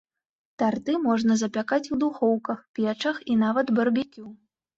Тарты можна запякаць у духоўках, печах і нават барбекю.